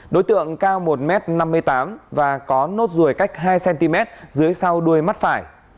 đối tượng cao một m năm mươi tám và có nốt ruồi cách hai cm dưới sau đuôi mắt phải